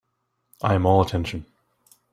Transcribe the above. I am all attention.